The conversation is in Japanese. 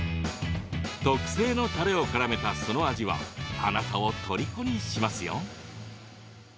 特製のたれをからめたその味はあなたをとりこにしますよ。